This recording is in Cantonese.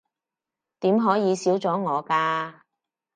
點可以少咗我㗎